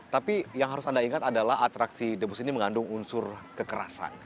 tapi yang harus anda ingat adalah atraksi debus ini mengandung unsur kekerasan